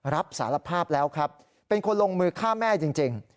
รับสารภาพแล้วครับเป็นคนลงมือฆ่าแม่จริง